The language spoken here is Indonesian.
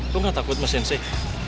kau gak takut sama sensei